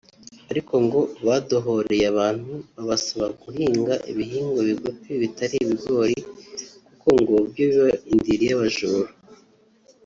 Ariko ngo badohoreye abantu babasaba guhinga ibihingwa bigufi bitari ibigori kuko ngo byo biba indiri y’abajura